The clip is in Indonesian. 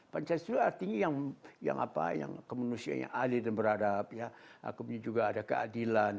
pancasila artinya yang kemanusiaan yang adil dan beradab kemudian juga ada keadilan